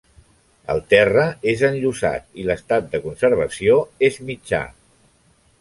El terra és enllosat, l'estat de conservació és mitjà.